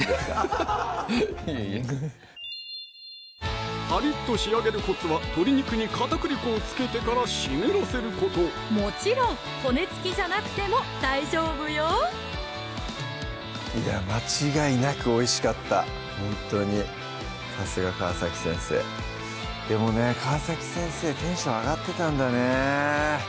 ハハハッいえいえパリッと仕上げるコツは鶏肉に片栗粉をつけてから湿らせることもちろん骨付きじゃなくても大丈夫よいや間違いなくおいしかったほんとにさすが川先生でもね川先生テンション上がってたんだね